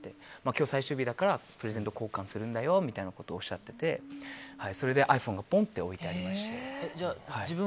今日、最終日だからプレゼント交換するんだよみたいなことをおっしゃっていてそれでｉＰｈｏｎｅがポンと置いてありました。